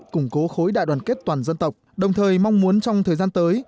củng cố khối đại đoàn kết toàn dân tộc đồng thời mong muốn trong thời gian tới